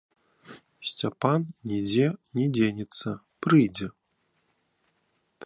Сцяпан нідзе не дзенецца, прыйдзе.